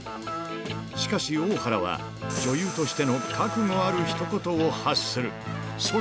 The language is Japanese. しかし、大原は女優としての覚悟あるひと言を発する。